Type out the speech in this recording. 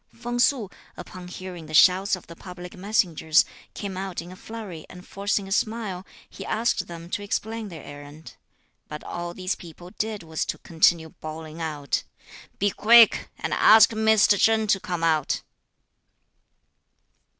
Feng Su, upon hearing the shouts of the public messengers, came out in a flurry and forcing a smile, he asked them to explain (their errand); but all these people did was to continue bawling out: "Be quick, and ask Mr. Chen to come out."